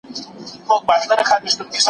د طالبانو حکومت وايي مالي اړتیاوې پوره شوې دي.